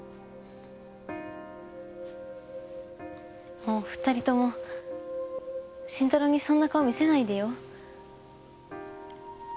もう２人とも慎太郎にそんな顔見せないでよ？